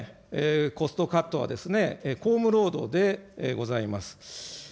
コストカットはこうむ労働でございます。